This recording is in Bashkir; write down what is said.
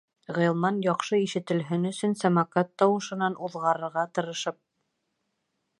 Ғилман, яҡшы ишетелһен өсөн, «самокат» тауышынан уҙғарырға тырышып: